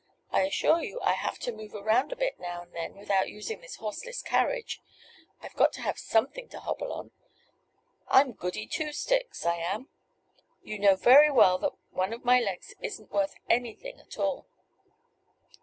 I assure you I have to move around a bit now and then without using this horseless carriage. I've got to have something to hobble on. I'm Goody Two sticks, I am. You know very well that one of my legs isn't worth anything at all."